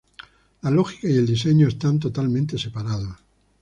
La lógica y el diseño están totalmente separados.